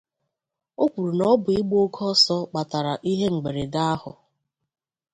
O kwuru na ọ bụ ịgba oke ọsọ kpatara ihe mberede ahụ